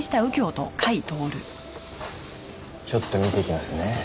ちょっと見てきますね。